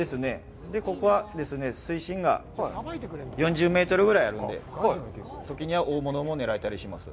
ここは水深が４０メートルぐらいあるんで、時には大物も狙えたりします。